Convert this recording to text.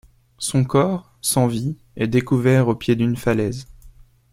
Son corps, sans vie, est découvert au pied d’une falaise.